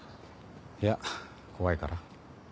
いや怖いから。